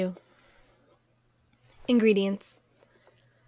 INGREDIENTS.